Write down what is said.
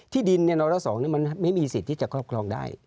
ที่ดินนี่หนอท้าสองมันมันไม่มีสิทธิ์ที่จะครอบครองได้